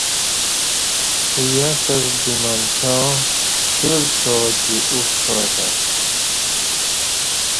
یاساس بی منچاں پکیور څاو دی اُکݜاتت